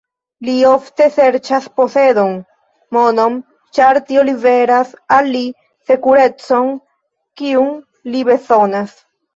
Li ofte serĉas posedon, monon ĉar tio liveras al li sekurecon kiun li bezonas.